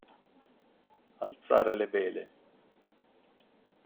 Alzare le vele.